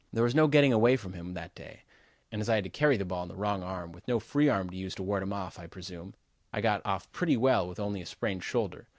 There was no getting away from him that day, and as I had to carry the ball in the wrong arm with no free arm to use to ward him off, I presume, I got off pretty well with only a sprained shoulder.